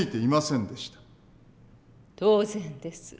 当然です。